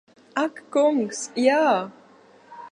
Ak kungs, jā!